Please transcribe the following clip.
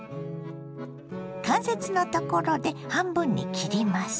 関節のところで半分に切ります。